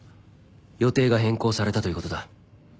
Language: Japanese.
予定が変更されたということだ。